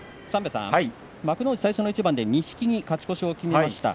幕内最初の一番で錦木、勝ち越しを決めました。